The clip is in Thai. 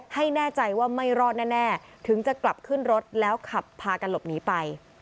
แน่ใจว่าไม่รอดแน่ถึงจะกลับขึ้นรถแล้วขับพากันหลบหนีไป